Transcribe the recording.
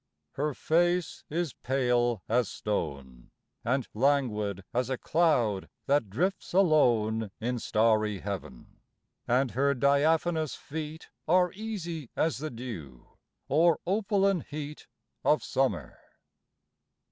Her face is pale as stone, And languid as a cloud that drifts alone In starry heav'n. And her diaphanous feet Are easy as the dew or opaline heat Of summer.